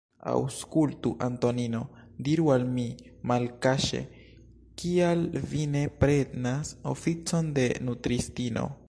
Aŭskultu, Antonino, diru al mi malkaŝe, kial vi ne prenas oficon de nutristino?